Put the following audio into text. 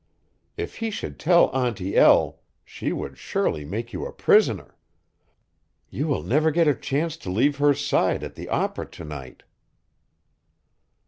If he should tell Auntie El she would surely make you a prisoner. You will never get a chance to leave her side at the opera to night."